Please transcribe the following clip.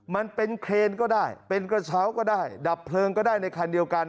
มันเป็นเครนก็ได้เป็นกระเช้าก็ได้ดับเพลิงก็ได้ในคันเดียวกัน